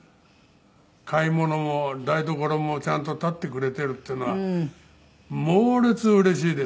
買い物も台所もちゃんと立ってくれているっていうのは猛烈うれしいです。